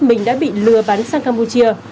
mình đã bị lừa bắn sang campuchia